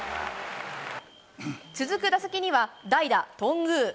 続く打席には、代打、頓宮。